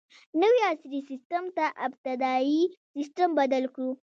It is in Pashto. نوي عصري سیسټم ته ابتدايي سیسټم بدل کړو.